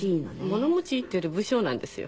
物持ちいいっていうより不精なんですよ。